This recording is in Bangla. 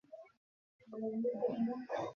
হয়তোবা আমাদের কাজে শুধু, আজকের দিনটা আছে, শুধু আমরা।